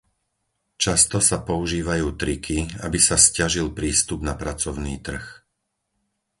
Často sa používajú triky, aby sa sťažil prístup na pracovný trh.